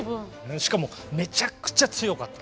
しかもめちゃくちゃ強かったんですよ。